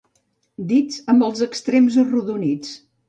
Dits amb els extrems arrodonits.